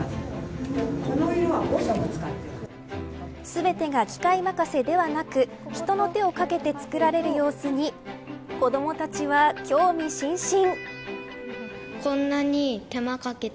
全てが機械任せではなく人の手をかけて作られる様子に子どもたちは興味津々。